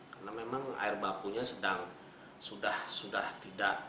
karena memang air bakunya sedang sudah tidak